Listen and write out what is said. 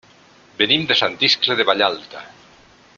Venim de Sant Iscle de Vallalta.